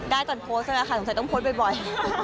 ได้ก่อนโพสต์แล้วค่ะสงสัยต้องโพสต์บ่อย